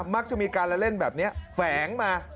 มักจะมีการเล่นแบบนี้แฝงมา